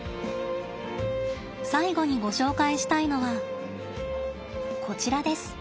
最後にご紹介したいのはこちらです。